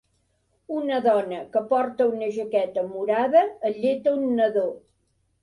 Una dona, que porta una jaqueta morada, alleta un nadó.